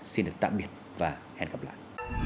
xin được tạm biệt và hẹn gặp lại